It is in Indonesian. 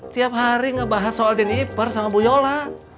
tiap hari ngebahas soal dennieper sama bu yola